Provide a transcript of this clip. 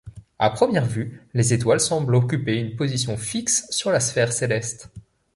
À première vue, les étoiles semblent occuper une position fixe sur la sphère céleste.